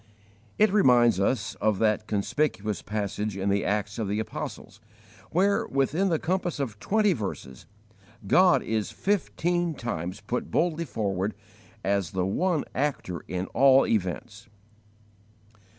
It reminds us of that conspicuous passage in the Acts of the Apostles where, within the compass of twenty verses, God is fifteen times put boldly forward as the one Actor in all events.